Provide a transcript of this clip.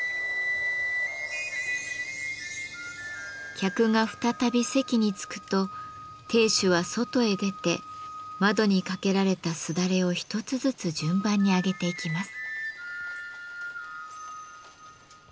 客が再び席に着くと亭主は外へ出て窓に掛けられたすだれを一つずつ順番に上げていきます。